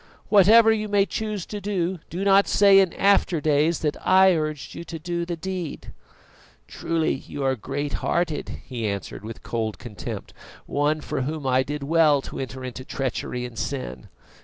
Whatever you may choose to do, do not say in after days that I urged you to the deed." "Truly you are great hearted!" he answered, with cold contempt; "one for whom I did well to enter into treachery and sin!